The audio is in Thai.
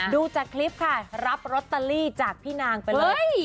ดูจากคลิปค่ะรับลอตเตอรี่จากพี่นางไปเลย